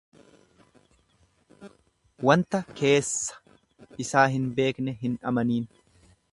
Wanta keessa isaa hin beekne hin amaniin.